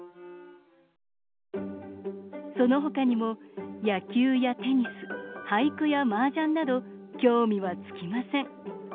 その他にも野球やテニス俳句やマージャンなど興味は尽きません。